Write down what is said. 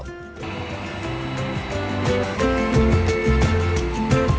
kecamatan telur mentah